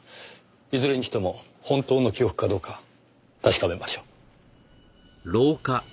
いずれにしても本当の記憶かどうか確かめましょう。